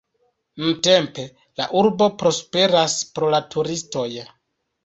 Nuntempe la urbo prosperas pro la turistoj.